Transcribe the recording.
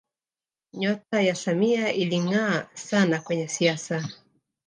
nyota ya samia ilingaa sana kwenye siasa